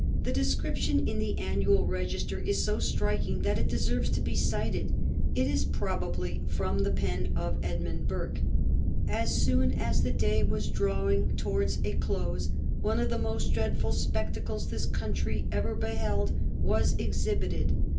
The description in the "Annual Register" is so striking that it deserves to be cited; it is probably from the pen of Edmund Burke: "As soon as the day was drawing towards a close one of the most dreadful spectacles this country ever beheld was exhibited.